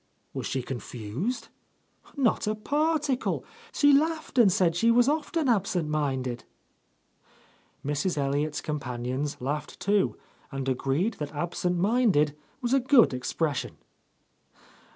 " "Was she confused?" "Not a particle! She laughed and said she was often absent minded." Mrs. Elliott's companions laughed, too, and agreed that absent minded was a good expres sion.